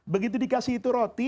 begitu dikasih itu roti